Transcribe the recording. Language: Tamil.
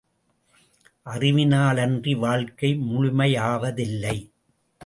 அறிவினாலன்றி வாழ்க்கை முழுமையாவதில்லை.